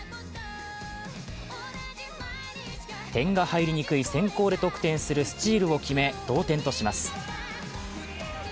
点が入りにくい先行で得点するスチールを決め、同点とします。